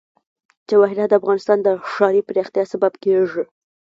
جواهرات د افغانستان د ښاري پراختیا سبب کېږي.